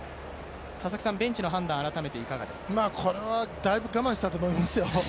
ベンチの判断、改めていかがですかこれはだいぶ我慢したと思いますよ。